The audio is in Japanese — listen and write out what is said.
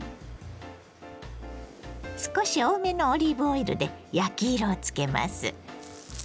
少し多めのオリーブオイルで焼き色をつけます。